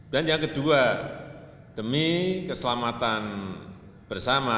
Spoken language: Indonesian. dan yang kedua demi keselamatan bersama